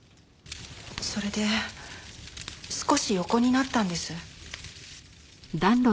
それで少し横になったんです。